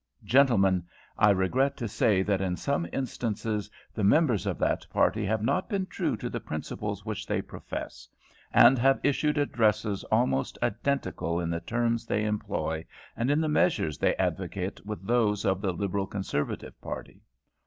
Gentlemen, I regret to say that in some instances the members of that party have not been true to the principles which they profess, and have issued addresses almost identical in the terms they employ and in the measures they advocate with those of the Liberal Conservative party.